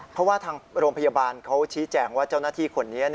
เพราะว่าทางโรงพยาบาลเขาชี้แจงว่าเจ้าหน้าที่คนนี้